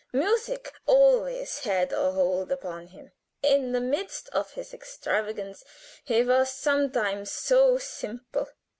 Music always had a hold upon him. "In the midst of his extravagance he was sometimes so simple.